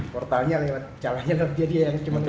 portalnya lewat jalannya kerja dia yang cuma bisa